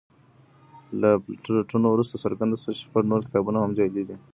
له پلټنو وروسته څرګنده شوه چې شپږ نور کتابونه هم جعلي دي.